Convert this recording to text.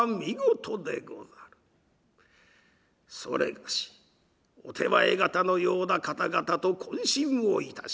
それがしお手前方のような方々と懇親をいたしたい。